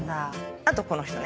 あとこの人ね。